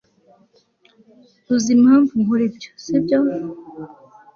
Uzi impamvu nkora ibyo sibyo